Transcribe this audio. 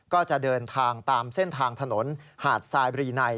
ก็จะเดินทางตามเส้นทางถนนหาดทรายบรีไน